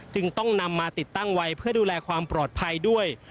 จึงต้องนำมาติดตั้งไว้เพื่อดูแลความปลอดภัยด้วย